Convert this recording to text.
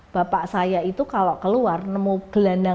bapak saya itu kalau keluar nemu gelandang